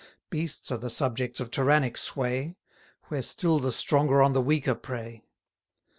Beasts are the subjects of tyrannic sway, Where still the stronger on the weaker prey.